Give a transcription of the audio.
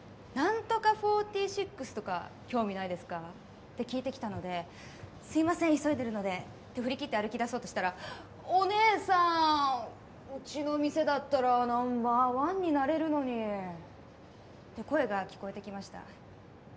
「なんとか４６とか興味ないですか？」って聞いてきたので「すいません急いでるので」って振り切って歩きだそうとしたら「お姉さんうちの店だったらナンバーワンになれるのに」って声が聞こえてきました。